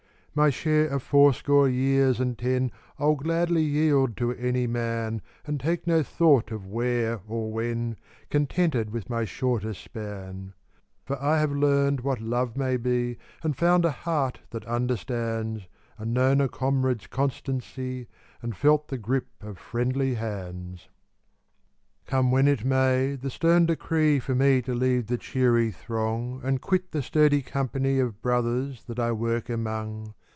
My share of fourscore years and ten I'll gladly yield to any man, And take no thought of " where " or " when," Contented with my shorter span. 32 BETTER FAR TO PASS AWAY 33 For I have learned what love may be, And found a heart that understands, And known a comrade's constancy, And felt the grip of friendly hands. Come when it may, the stern decree For me to leave the cheery throng And quit the sturdy company Of brothers that I work among.